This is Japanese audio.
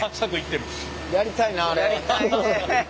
やりたいね。